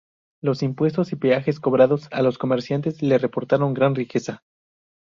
Los impuestos y peajes cobrados a los comerciantes le reportaron gran riqueza.